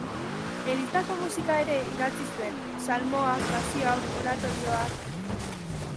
Elizako musika ere idatzi zuen: salmoak, pasioak, oratorioak...